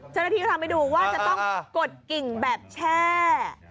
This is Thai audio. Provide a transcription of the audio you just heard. เจ้าหน้าที่ทำให้ดูว่าจะต้องกดกิ่งแบบแช่